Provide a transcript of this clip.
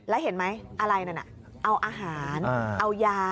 แล้วเห็นมั้ยอะไรเลยนะเอาอาหารเอายา